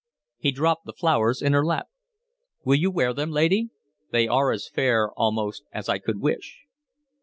He dropped the flowers in her lap. "Will you wear them, lady? They are as fair almost as I could wish."